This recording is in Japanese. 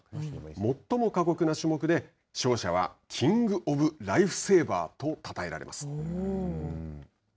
最も過酷な種目で勝者はキング・オブ・ライフセーバーとたたえられます。